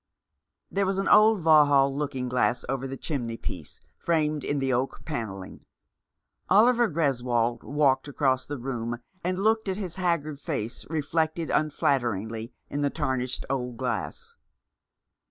There was an old Vauxhall looking glass over the chimney piece, framed in the oak panel ling. Oliver Greswold walked across the room and looked at his haggard face, reflected unflatteringly in the tarnished old glass.